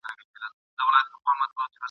ښکلي خدای پیدا کړمه نصیب یې راکی ښکلی ..